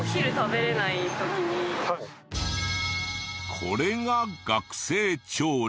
これが学生調理。